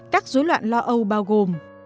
các dối loạn lo âu bao gồm